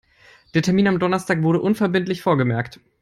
Der Termin am Donnerstag wurde unverbindlich vorgemerkt.